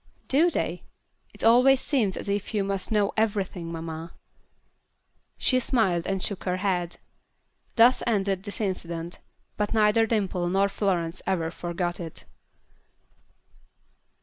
"Do they? It always seems as if you must know everything, mamma." She smiled and shook her head. Thus ended this incident, but neither Dimple nor Florence ever forgot it.